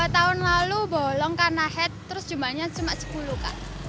tahun lalu bolong karena head terus jumlahnya cuma sepuluh kak